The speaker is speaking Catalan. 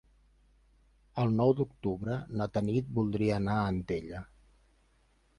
El nou d'octubre na Tanit voldria anar a Antella.